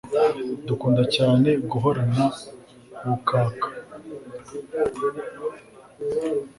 dukunda cyane guhorana ubukaka